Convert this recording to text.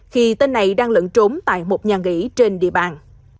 khi tên này đang lẫn trốn tại một nhà nghỉ trên địa bàn